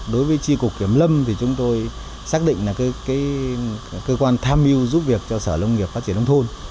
đối với tri cục kiểm lâm thì chúng tôi xác định là cơ quan tham mưu giúp việc cho sở lông nghiệp phát triển nông thôn